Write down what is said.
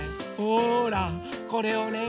ほらこれをね